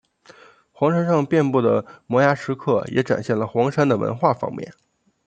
黄山上遍布的摩崖石刻也展现了黄山的文化方面。